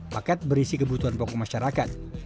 paket berisi kebutuhan pokok masyarakat